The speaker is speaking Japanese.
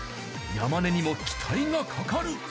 山根にも期待がかかる。